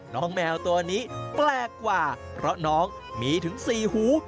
แมวตัวนี้แปลกกว่าเพราะน้องมีถึงสี่หู